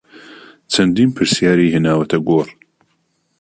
چەندین پرسیاری هێناوەتە گۆڕ